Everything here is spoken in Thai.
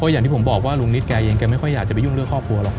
อย่างที่ผมบอกว่าลุงนิดแกเองแกไม่ค่อยอยากจะไปยุ่งเรื่องครอบครัวหรอก